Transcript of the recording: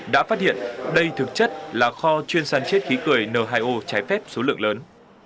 đã phát hiện đây thực chất là kho chuyên săn chiết khí cười n hai o trái phép số lượng lớn